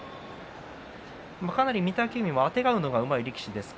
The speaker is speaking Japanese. かなり御嶽海もあてがうのがうまい力士です。